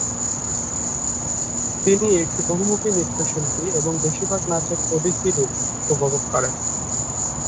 তিনি একটি বহুমুখী নৃত্যশিল্পী এবং বেশিরভাগ নাচের ওডিসি রূপ উপভোগ করেন।